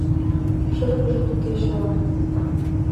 Шыргыжыт у кечылан.